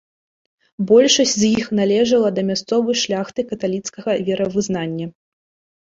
Большасць з іх належала да мясцовай шляхты каталіцкага веравызнання.